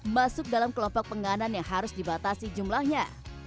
masuk dalam kelompok penganan yang harus dibatasi jumlahnya